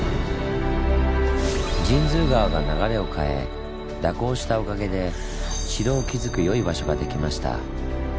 神通川が流れを変え蛇行したおかげで城を築く良い場所ができました。